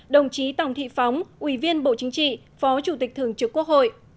đồng chí tòng thị phóng ủy viên bộ chính trị phó chủ tịch thường trực quốc hội